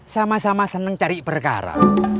sama sama senang cari perkara